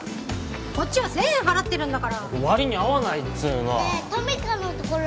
こっちは１０００円払ってるんだから割に合わないっつうのねえトミカのところ